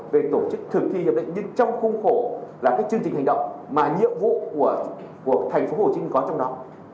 về tổ chức thực thi nhưng trong khung khổ là các chương trình hành động mà nhiệm vụ của thành phố hồ chí minh có trong đó